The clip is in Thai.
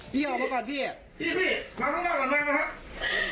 พี่ออกมาก่อนพี่พี่พี่มาข้างหน้าก่อนมาก่อนครับพี่